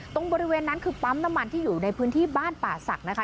บริเวณนั้นคือปั๊มน้ำมันที่อยู่ในพื้นที่บ้านป่าศักดิ์นะคะ